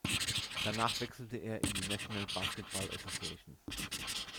Danach wechselte er in die National Basketball Association.